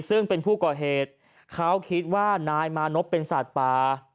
ซึ่งเป็นผู้ก่อเหตุเขาคิดว่านายมานพเป็นสัตว์ป่า